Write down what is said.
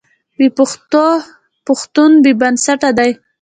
بې پښتوه پښتون بې بنسټه دی.